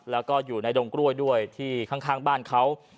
แล้วก็อยู่ในดงกล้วยด้วยที่ข้างบ้านเขา